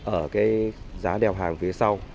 ở cái giá đèo hàng phía sau